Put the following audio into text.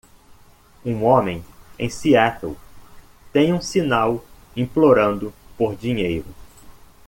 Um homem em Seattle tem um sinal implorando por dinheiro.